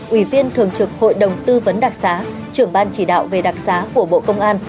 ủy viên thường trực hội đồng tư vấn đặc xá trưởng ban chỉ đạo về đặc xá của bộ công an